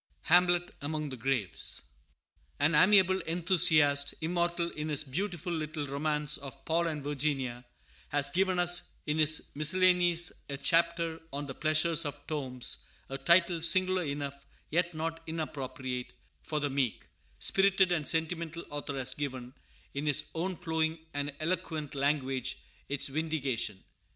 HAMLET AMONG THE GRAVES. [1844.] AN amiable enthusiast, immortal in his beautiful little romance of Paul and Virginia, has given us in his Miscellanies a chapter on the Pleasures of Tombs, a title singular enough, yet not inappropriate; for the meek spirited and sentimental author has given, in his own flowing and eloquent language, its vindication.